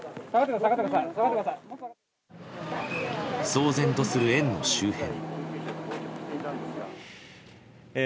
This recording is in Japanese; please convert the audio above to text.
騒然とする園の周辺。